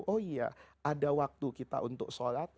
oh iya ada waktu kita untuk sholat